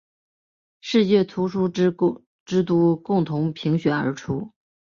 世界图书之都共同评选而出。